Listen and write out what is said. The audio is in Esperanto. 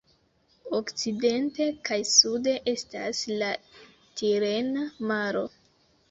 Okcidente kaj sude estas la Tirena Maro.